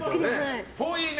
っぽいね。